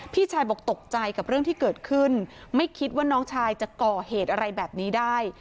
พี่ชายบอกตกใจกับเรื่องที่เกิดขึ้นไม่คิดว่าน้องชายจะก่อเหตุอะไรแบบนี้ได้